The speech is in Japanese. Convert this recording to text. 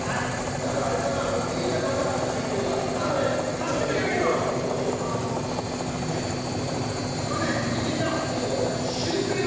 あれかな、家がなかった、シュウペイが。